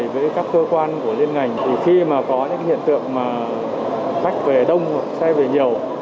với các cơ quan của liên ngành thì khi mà có những hiện tượng mà khách về đông hay về nhiều